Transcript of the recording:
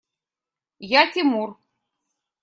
Я – Тимур.